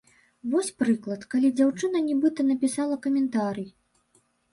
Вось, прыклад, калі дзяўчына нібыта напісала каментарый.